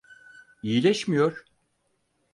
İyileşmiyor.